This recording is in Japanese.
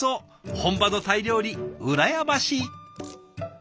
本場のタイ料理羨ましい。